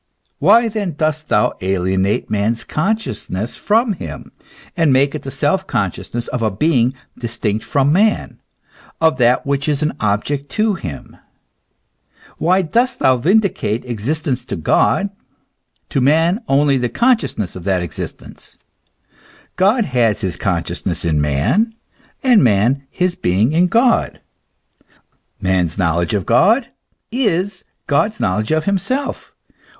Why then dost thou alienate man's consciousness from him, and make it the self conscious ness of a being distinct from man, of that which is an object to him ? Why dost thou vindicate existence to God, to man only the consciousness of that existence ? God has his con sciousness in man, and man his being in God ? Man's knowledge of God is God's knowledge of himself?